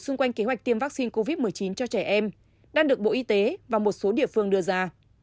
xung quanh kế hoạch tiêm vaccine covid một mươi chín cho trẻ em đang được bộ y tế và một số địa phương đưa ra